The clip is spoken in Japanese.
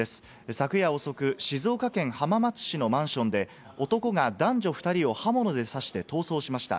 昨夜遅く、静岡県浜松市のマンションで男が男女２人を刃物で刺して逃走しました。